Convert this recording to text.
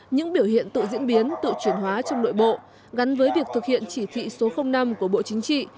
những biểu hiện tự diễn biến tự chuyển hóa trong nội bộ gắn với việc thực hiện chỉ thị số năm của bộ chính trị